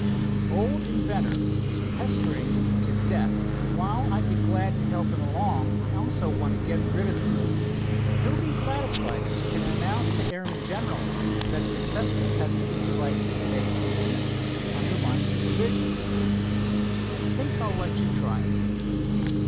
The old inventor is pestering me to death, and while I'd be glad to help him along, I also want to get rid of him. He'll be satisfied if he can announce to airmen generally that a successful test of his device was made from the Aegis, under my supervision. I think I'll let you try it."